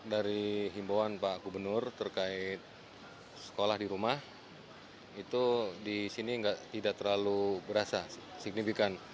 dari himbawan pak gubernur terkait sekolah di rumah itu di sini tidak terlalu berasa signifikan